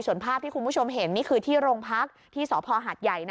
ส่วนภาพที่คุณผู้ชมเห็นนี่คือที่โรงพักที่สพหาดใหญ่